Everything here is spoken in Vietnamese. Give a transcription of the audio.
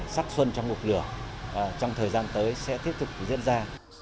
sắc xuân trong một lửa trong thời gian tới sẽ tiếp tục diễn ra